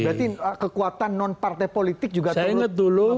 berarti kekuatan non partai politik juga terutama mempengaruhi